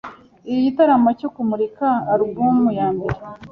igitaramo cyo kumurika album ya mbere